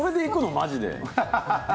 マジで。